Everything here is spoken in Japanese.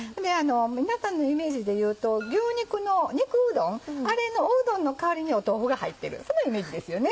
皆さんのイメージでいうと牛肉の肉うどんあれのうどんの代わりに豆腐が入ってるそのイメージですよね。